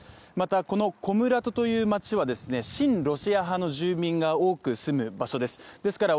また、このコムラトという街は新ロシア派の住民が多く住む街です。